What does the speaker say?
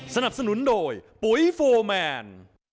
สนับสนุนโดยปุ๋ยโฟร์แมน